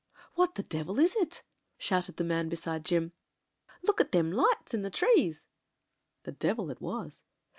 "What the devil is it?" shouted the man beside Jim. "Look at them lights in the trees." The devil it was.